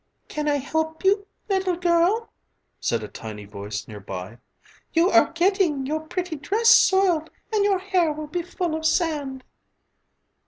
"Can I help you, little girl?" said a tiny voice near by, "you are getting your pretty dress soiled and your hair will be full of sand."